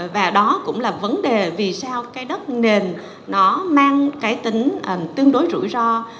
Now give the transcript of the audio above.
và đó cũng là vấn đề vì sao cái đất nền nó mang cái tính tương đối rủi ro